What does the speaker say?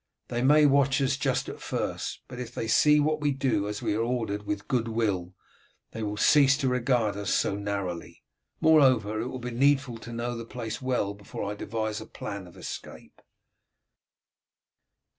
They may watch us just at first, but if they see that we do as we are ordered with good will they will cease to regard us so narrowly; moreover, it will be needful to know the place well before I devise a plan of escape."